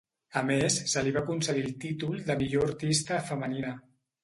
A més, se li va concedir el títol de millor artista femenina.